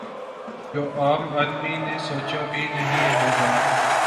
جو عام آدمی نے سوچا بھی نہیں ہو گا